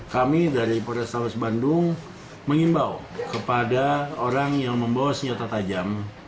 kami dari polrestabes bandung mengimbau kepada orang yang membawa senjata tajam